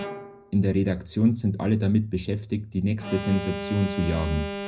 In der Redaktion sind alle damit beschäftigt, die nächste Sensation zu jagen.